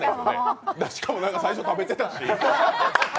しかもなんか最初食べてたし。